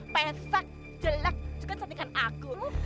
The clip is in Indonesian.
pesek jelek juga ngecetekan aku